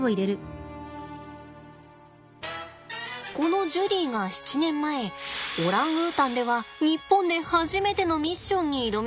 このジュリーが７年前オランウータンでは日本で初めてのミッションに挑みました。